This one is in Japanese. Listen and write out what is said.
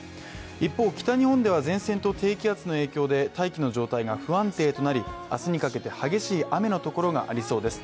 一方、北日本では前線と低気圧の影響で大気の状態が不安定となり明日にかけて激しい雨のところがありそうです。